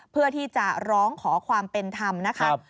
เพื่อที่จะร้องขอความเป็นธรรมนะคะ